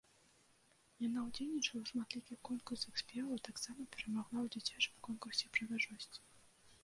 Яна ўдзельнічала ў шматлікіх конкурсах спеваў, а таксама перамагла ў дзіцячым конкурсе прыгажосці.